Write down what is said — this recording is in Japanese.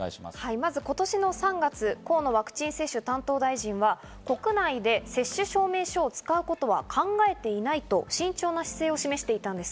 まず今年の３月、河野ワクチン接種担当大臣が国内で接種証明証を使うことは考えていないと慎重な姿勢を示していたんです。